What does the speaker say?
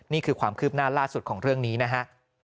นี่คือความคืบหน้าล่าสุดของเรื่องนี้นะฮะ